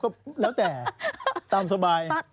ก็แล้วแต่ตามสบาย